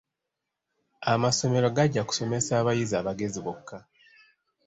Amasomero gajja kusomesa abayizi abagezi bokka.